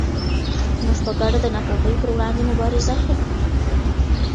موږ په ګډه د ناپوهۍ پر وړاندې مبارزه کوو.